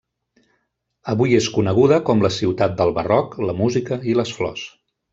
Avui és coneguda com la ciutat del barroc, la música i les flors.